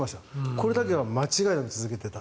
これだけは間違いなく続けていた。